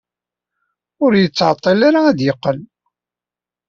Ur ittɛeṭṭil ara ad d-yeqqel.